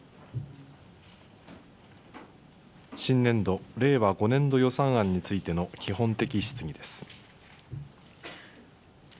新年度・令和５年度予算案についての基本的質疑です。